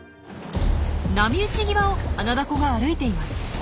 波打ち際をアナダコが歩いています。